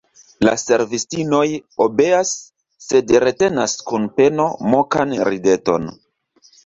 La servistinoj obeas, sed retenas kun peno mokan rideton.